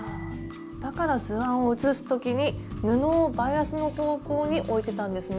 だから図案を写す時に布をバイアスの方向に置いてたんですね。